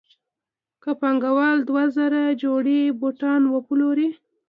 که پانګوال دوه زره جوړې بوټان وپلوري